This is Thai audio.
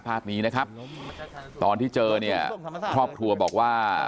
ภาพนี้นะครับตอนที่เจอเนี่ยครอบครัวบอกว่า